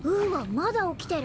まだおきてる。